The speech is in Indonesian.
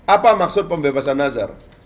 apa maksud pembebasan nazar